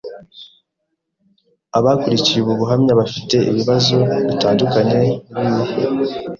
abakurikiye ubu buhamya bafite ibibazo bitandukanye ntibihebe